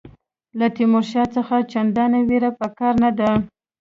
له تیمورشاه څخه چنداني وېره په کار نه ده.